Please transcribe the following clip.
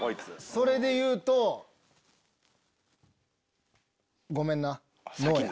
それで言うとごめんなノーや。